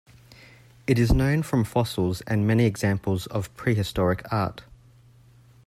It is known from fossils and many examples of prehistoric art.